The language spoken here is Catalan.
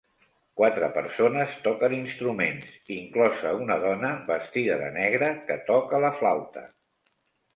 Quatre persones toquen instruments, inclosa una dona vestida de negre que toca la flauta.